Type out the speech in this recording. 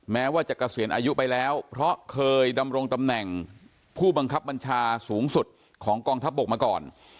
แม้ว่าจะเกษียณอายุไปแล้วเพราะเคยดำรงตำแหน่งผู้บังคับบัญชาสูงสุดของกองทัพบกมาก่อน